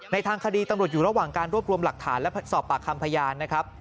ทางคดีตำรวจอยู่ระหว่างการรวบรวมหลักฐานและสอบปากคำพยานนะครับ